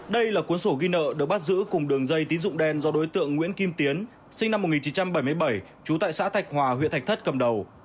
đây là cuốn sổ ghi nợ được bắt giữ cùng đường dây tín dụng đen do đối tượng nguyễn kim tiến sinh năm một nghìn chín trăm bảy mươi bảy trú tại xã thạch hòa huyện thạch thất cầm đầu